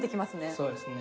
そうですね。